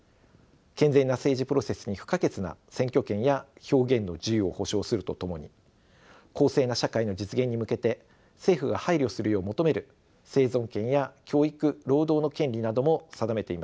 健全な政治プロセスに不可欠な選挙権や表現の自由を保障するとともに公正な社会の実現に向けて政府が配慮するよう求める生存権や教育・労働の権利なども定めています。